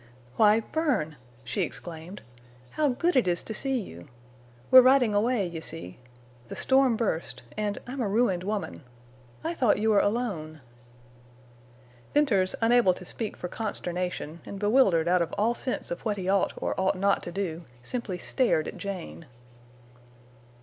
"Why, Bern!" she exclaimed. "How good it is to see you! We're riding away, you see. The storm burst—and I'm a ruined woman!... I thought you were alone." Venters, unable to speak for consternation, and bewildered out of all sense of what he ought or ought not to do, simply stared at Jane.